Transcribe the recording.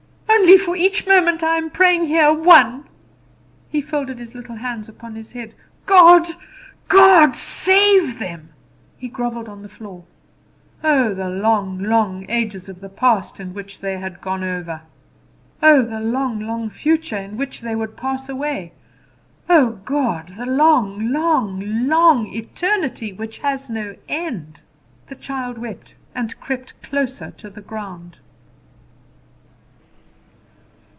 Only for each moment I am praying here one!" He folded his little hands upon his head. "God! God! save them!" He grovelled on the floor. Oh, the long, long ages of the past, in which they had gone over! Oh, the long, long future, in which they would pass away! Oh, God! the long, long, long eternity, which has no end! The child wept, and crept closer to the ground.